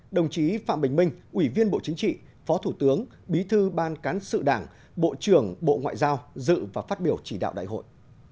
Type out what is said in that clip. đồng chí phạm bình minh ủy viên bộ chính trị phó thủ tướng bí thư ban cán sự đảng bộ trưởng bộ ngoại giao dự và phát biểu chỉ đạo đại hội